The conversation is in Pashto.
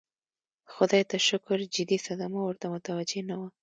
خدای ته شکر جدي صدمه ورته متوجه نه وه.